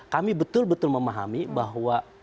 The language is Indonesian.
kami betul betul memahami bahwa